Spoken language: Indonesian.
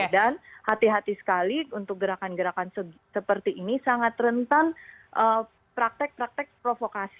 dan hati hati sekali untuk gerakan gerakan seperti ini sangat rentan praktek praktek provokasi